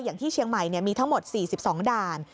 อย่างที่เชียงใหม่มีทั้งหมด๔๒ด่าน